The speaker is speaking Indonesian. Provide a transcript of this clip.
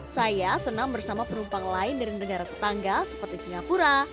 saya senam bersama penumpang lain dari negara tetangga seperti singapura